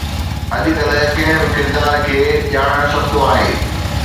اڄڪلهه ڪنهن به ڪردار کي ڄاڻڻ سستو آهي